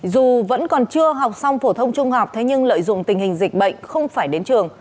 dù vẫn còn chưa học xong phổ thông trung học thế nhưng lợi dụng tình hình dịch bệnh không phải đến trường